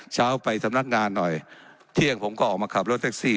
เช้าไปสำนักงานหน่อยเที่ยงผมก็ออกมาขับรถแท็กซี่